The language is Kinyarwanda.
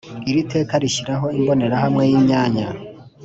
Iri teka rishyiraho imbonerahamwe y imyanya